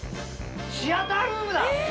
シアタールームだ！